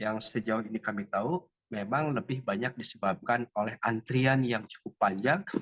yang sejauh ini kami tahu memang lebih banyak disebabkan oleh antrian yang cukup panjang